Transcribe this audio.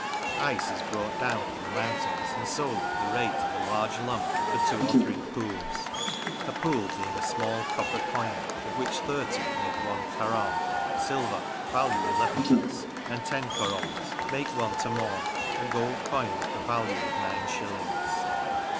Ice is brought down from the moun tains, and sold at the rate of a large lump for two or three pools — a pool being a small copper coin, of which thirty make one koraun (silver), value eleven pence ; and ten korauns make one tomaun, a gold coin of the value of nine shillings.